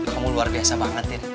kamu luar biasa banget ya